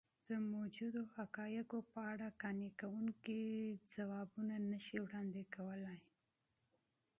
د موجودو حقایقو په اړه قانع کوونکي ځوابونه نه شي وړاندې کولی.